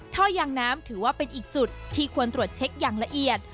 ท่อยางน้ำถือว่าเป็นอีกจุดที่ควรตรวจเช็คอย่างละเอียด